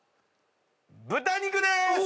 豚肉です！